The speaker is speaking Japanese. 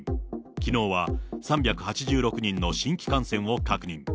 きのうは３８６人の新規感染を確認。